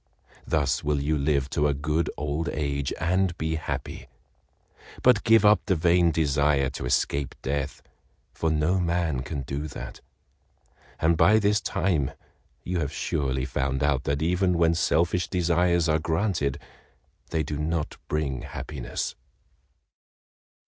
Thus will you live to a good old age and be happy, but give up the vain desire to escape death, for no man can do that, and by this time you have surely found out that even when selfish desires are granted they do not bring happiness."